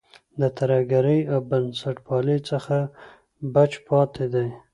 له ترهګرۍ او بنسټپالۍ څخه بچ پاتې دی.